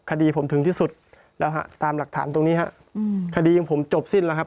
คดีผมถึงที่สุดแล้วฮะตามหลักฐานตรงนี้ฮะอืมคดีของผมจบสิ้นแล้วครับ